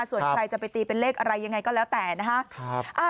ส่วนใครจะไปตีเป็นเลขอะไรยังไงก็แล้วแต่นะฮะ